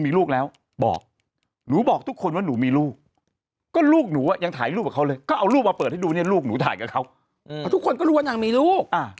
ที่ดูเนี่ยลูกหนูถ่ายกับเขาอืมอ่าทุกคนก็รู้ว่านางมีลูกอ่า